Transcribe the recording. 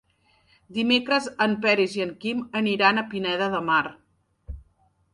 Dimecres en Peris i en Quim aniran a Pineda de Mar.